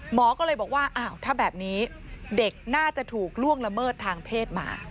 หมอก็เลยบอกว่าอ้าวถ้าแบบนี้เด็กน่าจะถูกล่วงละเมิดทางเพศมา